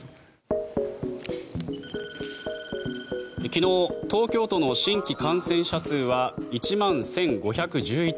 昨日東京都の新規感染者数は１万１５１１人。